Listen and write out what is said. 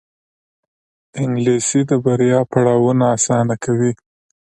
انګلیسي د بریا پړاوونه اسانه کوي